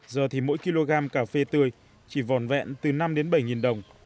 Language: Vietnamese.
giờ thì mỗi kg cà phê tươi chỉ vòn vẹn từ năm đến bảy đồng